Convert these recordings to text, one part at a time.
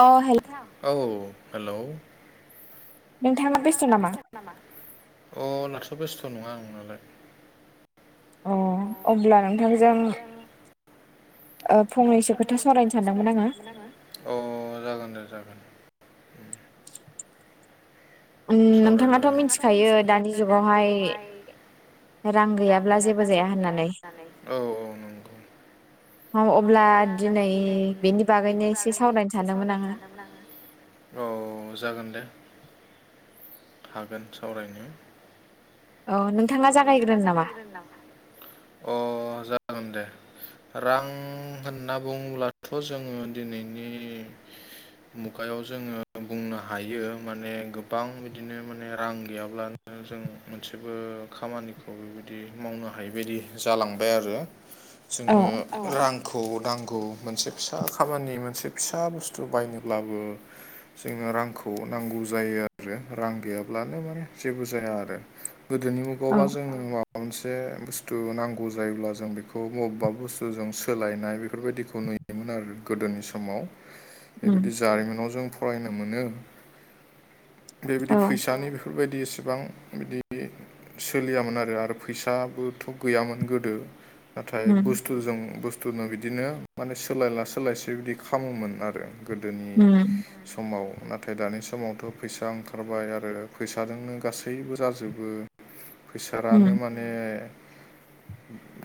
अ hello. औ hello नोंथाङा best नामा? [unintelligible] अ अब्ला नोंथांजों ओ फंनैसो खोथा सरायनो सानदोंमोन आङो। अ जागोन दे जागोन। उम नोंथाङाथ' मिथिखायो दानि जुगावहाय रां गैयाब्ला जेबो जाया होननानै। अब्ला दिनै बेनि बागैनो एसे सावरायनो सानदोंमोन आङो। [inaudible] औ जागोन दे। हागोन सावरायनो। औ नोंथाङा जागायग्रोन नामा अ जागोन दे। रां होनना बुङोब्लाथ' जोङो दिनैनि मुगायाव जोङो बुंनो हायो माने गोबां बिदिनो माने रां गैयाब्लाानो जों मोनसे खामानिखौ बेबायदि मावनो हायिबायदि जालांबाय आरो जोङो रांखौ दांगौ मोनसे फिसा खामानि मोनसे फिसा बुस्थु बायनोब्लाबो। जोनो रांखौ नांगौ जायो आरो रां गैयाब्लानो माने जेबो जाया आरो गोदोनि मुगायाव बा जोंङो। माबा मोनसे बुस्थु नांगौ जायोब्ला जों बेखौ बबेबा बुस्थु जों सोलायनाय बेफोरबायदिखौ नुयो। योमोन आरो गोदोनि समाव [inaudible] बेबायदि जारिमिनाव जों फरायनो मोनो बेबायदि फैसानि बे बेफोरबायदि एसेबां बिदि सोलियामोन आरो आरो फैसाबोथ' गैयामोन गोदो नाथाय बुस्थु जों बुस्थुनो बिदिनो माने सोलायला सोलायसे बिदि खामोमोन आरो गोदोनि समाव नाथाय दानि समावथ' फैसा ओंखारबाय आरो फैसाजोंनो गासैबो जाजोब बो फैसा रानो मान [inaudible]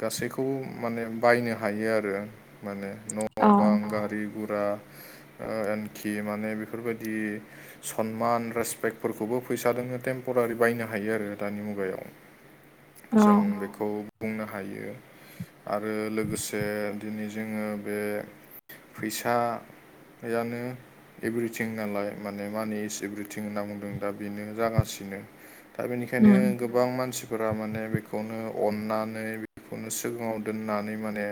गासैखौबो माने बायनो हायो आरो माने न' न' बां गारि गुरा ओ एनखि माने बेफोरबायदि सनमान रेसपेक्टफोरखौबो फैसा दोङो टेम्परारि बायनो हायो आरो दानि मुगायाव जों बेख खौ बुंनो हायो आरो लोगोसे दिनै जोङो बे फैसा थायानो एभ्रिथिं नालाय माने मानि इस एभ्रिथिं होनना बुंदों दा बेनो जागासिनो दा बेनिखायनो गोबां गोबां मानसिफोरा माने बेखौनो अननानै बेखौनो सिगाङाव दोननानै माने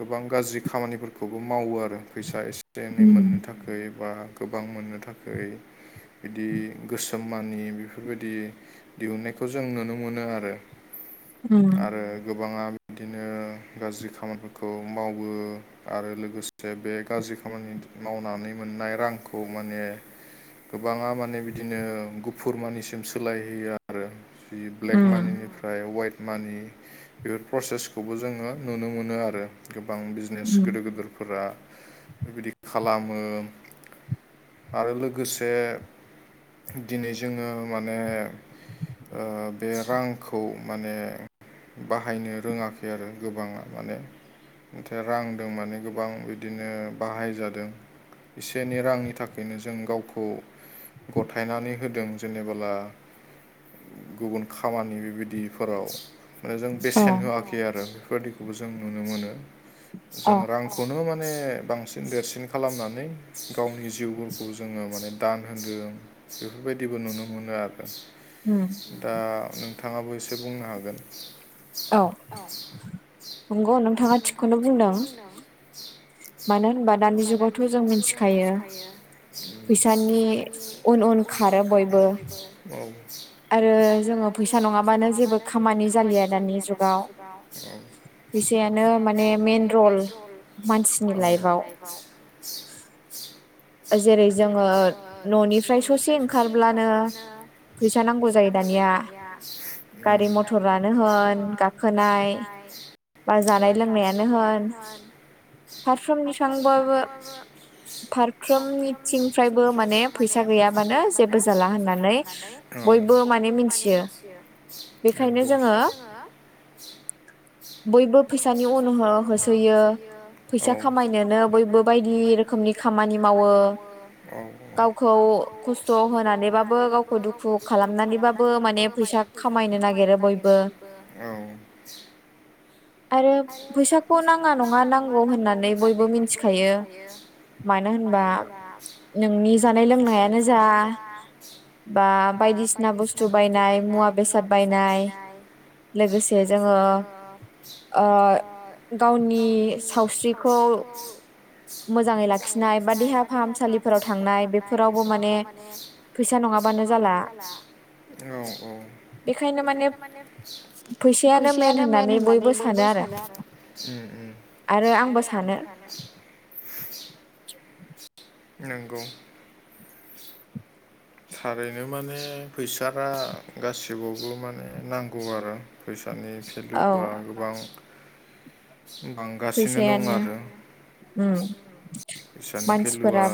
गोबां गाज्रि खामानिफोरखौबो मावो आरो फैसा एसे एनै मोननो थाखा य बै बा गोबां मोननो थाखै बिदि गोसोम मानि बेफोरबायदि दिहुननायखौ जों नुनो मोनो आरो आरो गोबाङा बिदिनो गाज्रि खामानिफोरखौ मावो आरो लोगोसे बे गाज्रि खामानि मावनानै मोननाय रांखौ माने गोबाङा माने बिदिनो गुफुर मानिसिम सोलायहैयो आरो बि ब्लेक मानिनि फ्राय वाइट मानि बेफोर प्रसेसखौबो जोङो नुनो मोनो आरो गोबां बिज नेस गोदोर गोदोरफोरा बेबायदि खालामो। आरो लोगोसे दिनै जोङो माने ओ बे रांखौ माने बाहायनो रोङाखै आरो गोबाङा माने नाथाय रां दों माने गोबां बिदिनो बाहायजादों। एसे एनै रांनि थाखायनो जों गावखौ गथायनानै होदों जेनेबोला गुबुन खामानि बेबायदिफोराव माने जों बेसेन होआखै आरो बेफोरबायदि खौबो जों नुनो मोनो जों रां गावखौनो माने बांसिन देरसिन खालामनानै गावनि जिउफोरखौ जोङो माने दान होदों। बेफोरबायदिबो नुनो मोनो आरो उम दा नोंथाङाबो एसे बुंनो हागोन औ नंगौ नोंथाङा थिगखौनो बुंदों ‌। मानो होनबा दानि जुगावथ' जोंबो मिथिखायो उम फैसानि उन उन खारो बयबो औ आरो जोङो फैसा नङाबानो जेबो खामानि जालिया जालिय दानि जुगाव फैसायानो माने मेइन रल मानसिनि लाइ फाव जेरै जोङो न'निफ्राय ससे ओंखारब्लानो फैसा नांगौ जायो दानि या गारि मटरानो होन गाखोनाय बा जानाय लोंनायानो होन फारफ्रोमनिफांबाबो फ्रोमनिथिंफ्रायबो माने फैसा गैयाबानो जेबो जाला होननानै नानै औ बयबो माने मिथियो बेखायनो जोङो [inaudible] बयबो फैसानि उनु होसोयो फैसा खामायनोनो बयबो बायदि रो खोमनि खामानि मावो। मावो औ औ गावखौ खस्थ' होनानैबाबो गावखौ खस्थ' खालामनानैबाबो माने फैसा खामायनो नागिरो बयबो। औ आरो फैसाखौ नाङा नङा नांगौ होननानै बयबो मोनथिखायो। मानो होनबा दा नोंनि जानाय लोंनायानो जा बा बायदिसिना बुस्थु बायनाय मुवा-बेसाद बायनाय। लोगोसे जोङो ओ गावनि सावस्रिखौ मोजाङै ला खिनाय बा देहा फाहाम देहा फाहामसालिफोराव थांनाय बेसोरावबो माने फैसा नङाबानो जाला औ औ बेखायनो माने फैसायानो मेइन होननानै बयबो सानो आरो आरो आंबो सानो [unintelligible] [inaudible] नंगौ [inaudible] थारैनो माने फैसारा गासिबावबो माने नांगौ आरो फैसानि भेलुआ गोबां बांगासिनो दं आरो फैसानि भेलुआ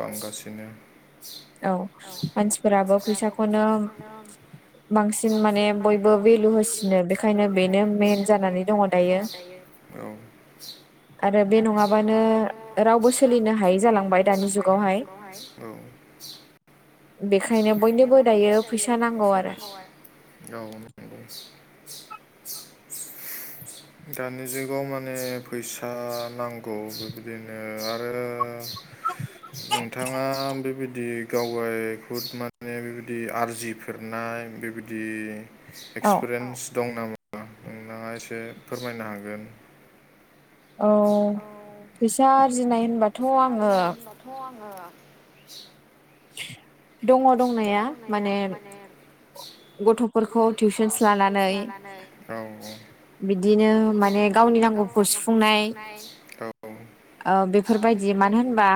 बांगासिनो औ मानसिफोराबो फैसाखौनो बांसिन माने बयबो भेलु होसिनो बेखायनो बेनो मेन जानानै दङ दायो। औ आरो बे नङाबानो रावबो सोलिनो हायै जालांबाय दानि जुगावहाय। औ बेखायनो बयबो दायो फैसा नांगौ आरो। औ नंगौ [inaudible] दानि जुगाव माने फैसा नांगौ बेबादिनो आरो नोंथाङा बेबायदि गावबाय बुहुद माने बेबायदि आरजिफोरनाय बेबायदि एक्सपेरियेन्स दं नामा? नोंथाङा एसे फोरमायनो हागोन। औ फैसा आरजिनाय होनबा- फैसा आरजिनाय होनब्लाथ' आङो दङ दंनाया माने गथ'फोरखौ [unintelligible] लानानै बिदिनो माने गावनि नांगौखौ सुफुंनाय। ओ बेफोरबायदि मानो होनबा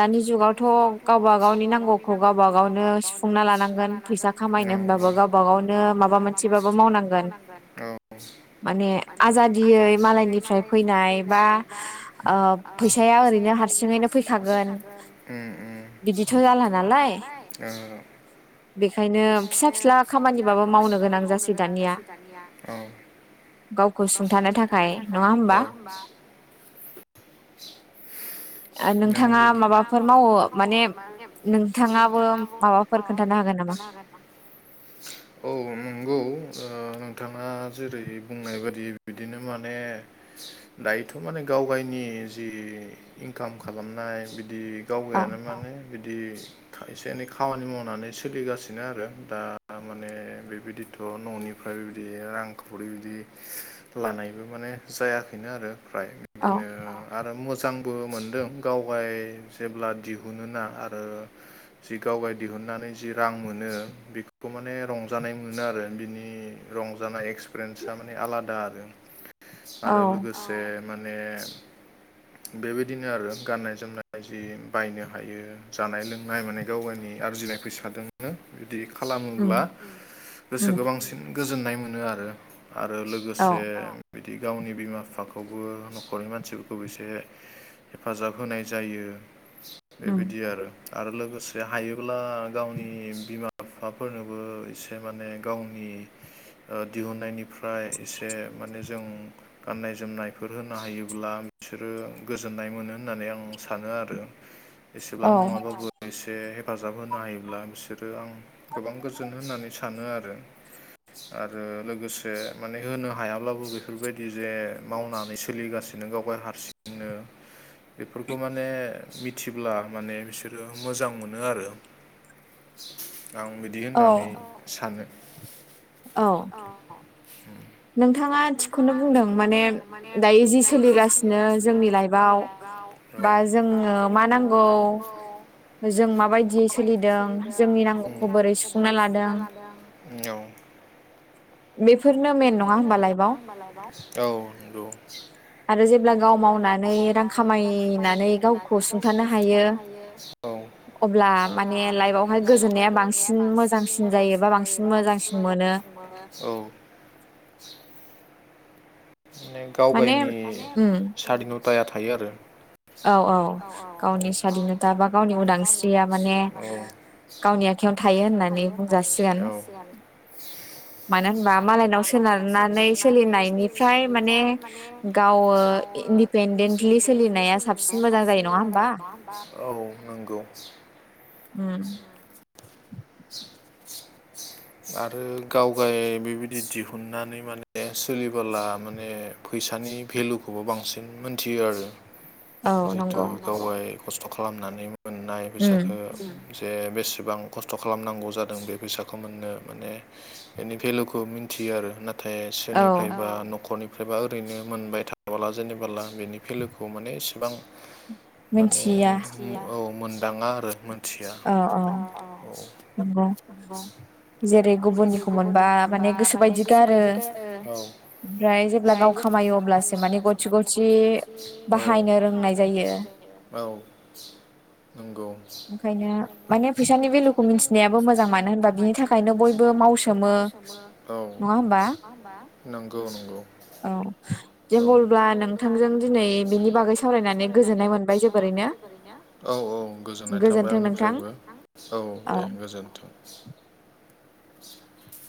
दानि जुगावथ' गावबा-गावनि नांगौखौ गावबा-गावनो सुफुंना लानांगोन फैसा खामायनो होनबाबो गाव- गावबा-गावनो माबा मोनसेबाबो मावनांगोन। औ माने आजादियै मालायनिफ्राय फैनाय बा ओ फैसाया फैसाया ओरैनो हारसिंङैनो फैखागोन। उम उम बिदिथ' जाला नालाय बेखायनो फिसा-फिसा खामानिबाबो मावनो गोनां जासै दानिया। औ गावखौ सुंथानो थाखाय। नङा होमबा? नोंथाङा माबाफोर मावो माने नोंथाङाबो माबाफोर माबाफोर खोनथानो हागोन नामा? [inaudible] औ नंगौ ओ नोंथाङा जेरै बुंनाय बादि बिदिनो माने दायोथ' माने गावगायनि जि इनकाम खालामनाय बिदि गावगायानो माने बिदि एसे एनै खामानि मावनानै सोलिगासिनो आरो दा माने बेबायदिथ' न'निफ्राय बेबायदि रांखावरि बिदि लानायबो माने जायाखैनो आरो फ्राय बिदिनो आरो मोजां बो मोनदों गाव गाय जेब्ला दिहुनो ना आरो जि गावगाय दिहुननानै जि रां मोनो। बेखौ माने रंजानाय मोनो आरो बिनि रंजानाय एक्सपेरियेन्सा माने आलादा आरो आरो लोगोसे माने बेबायदिनो आरो गाननाय-जोमनाय जि बायनो हायो जानाय-लोंनाय माने गाव गावनि आरजिनायखौ फैसादों बिदि खालामोब्ला गोसोखौ बांसिन गोजोननाय मोनो आरो। आरो लोगोसे बिदि गावनि बिमा बिफाखौबो न'खरनि मानसिफोरखौबो एसे हेफाजाब होनाय जायो बेबायदि आरो आरो लोगोसे हायोब्ला गावनि बिमा बिफाफोरनोबो एसे माने गावनि ओ दिहुनन्नायनिफ्राय एसे माने जों गाननाय जोमनायफोर होनो हायोब्ला बिसोरो गोजोननाय मोनो होननानै आं सानो आरो एसेबां नङाबाबो। एसे हेफाजाब होनो हायोब्ला बिसोरो आं गोबां गोजोन होननानै सानो आरो आरो लोगोसे माने होनो हायाब्लाबो बेफोरबायदि जे मावनानै सोलिगासिनो। नों गावहाय हारसिं बेफोरखौ माने मिथिब्ला माने बिसोरो मोजां मोनो आरो आं बिदि होननानै सानो। औ नोंथाङा थिगखौनो बुंदों माने दायो जि सोलिगासिनो जोंनि लाइफआव बा जोंनो मा नांगौ। जों माबायदियै सोलिदों जोंनि नांगौखौ बोरै सुफुंना लादों। [unintelligible] बेफोरनो मेन नङा होमबा लाइफआव। औ आरो जेब्ला गाव मावनानै रां खामायनानै गावखौ सुंथानो हायो। अब्ला माने लाइफआवहाय गोजोननाया बांसिन मोजांसिन जायो बा बांसिन मोजांसिन मोनो। औ माने गाव गायनि सधिनता थायो आरो औ औ गावनि सधिनथा बा गावनि उदांस्रिया माने गावनि आखयावनो थायो होननानै बुंजासिगोन। मानो होनबा मालायनाव सोनारनानै सोलिनायनिफ्राय माने गाव इन्दिपेेनडेन्टलि सोलिनाया साबसिन मोजां जायो नङा होमबा। औ नंगौ। उम आरो गाव गाय बेबायदि दिहुननानै माने सोलिबोला माने फैसानि भेलुखौबो बांसिन मोनथियो आरो जिहेथु गावहाय खस्थ' खालामनानै मोननाय फैसाखो जे बेसेबां खस्थ'। खस्थ' खालामनांगौ जादों बे फैसाखौ मोननो माने बेनि भेलुखौ मिन्थियो आरो ना। नाथाय सोरनिफ्रायबा न'खरनि ओमफ्रायबा ओरैनो मोनबाय थाबोला जेनेबोला बिनि भेलुखौ माने इसेबां माने औ मोनदाङा आरो मोनथिया। [unintelligible] जेरै गुबुननिखौ मोनबा माने गोसो बायदि गारो ओमफ्राय जेब्ला गाव खामायो अब्लासो माने गथि गथि बाहायनो रोंनाय जायो। औ नंगौ मानो माने फैसानि पेलु आनि बेलखौ मिथिबो मोजां मानो होना बिनि थाखाय बयबो मावसोमो मा होनोमबा। नंगौ नंगौ। औ होनब्ला नोंथांखौनो दिनै बे बागै सावरायनानै गोजोननाय मोनबाय जोबोर औ औ गोजोननाय थाबाय आंनिफ्रायबो औ दे गोजोनथों [inaudible]